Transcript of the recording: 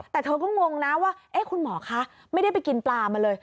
แต่เธอก็งงนะว่าคุณหมอคะไม่ได้ไปกินปลามาเลย